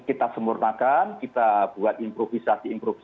dan kita semurnakan kita buat improvisasi improvisi